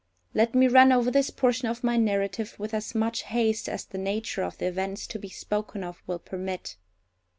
Let me run over this portion of my narrative with as much haste as the nature of the events to be spoken of will permit.